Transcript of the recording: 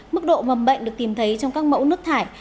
mức độ mầm bệnh được tìm thấy trong các mẫu nước thải